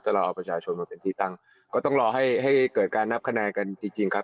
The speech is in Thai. แต่เราเอาประชาชนมาเป็นที่ตั้งก็ต้องรอให้ให้เกิดการนับคะแนนกันจริงจริงครับ